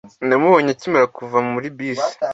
Namubonye akimara kuva muri bisi.